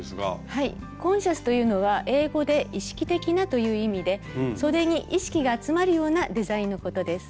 はい「コンシャス」というのは英語で「意識的な」という意味でそでに意識が集まるようなデザインのことです。